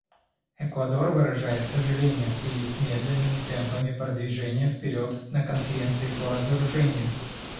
Эквадор выражает сожаление в связи с медленными темпами продвижения вперед на Конференции по разоружению.